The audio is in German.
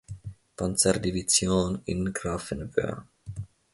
Panzerdivision in Grafenwöhr.